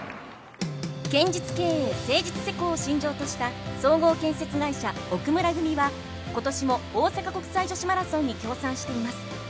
堅実経営、誠実施工を信条とした総合建設会社・奥村組は今年も大阪国際女子マラソンに協賛しています。